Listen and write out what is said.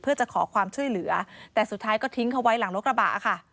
เพื่อจะขอความช่วยเหลือแต่สุดท้ายก็ทิ้งเขาไว้หลังรถกระบะค่ะ